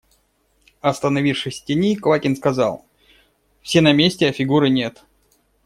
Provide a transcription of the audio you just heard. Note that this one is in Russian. Остановившись в тени, Квакин сказал: – Все на месте, а Фигуры нет.